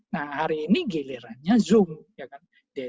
nah hari ini gilirannya zoom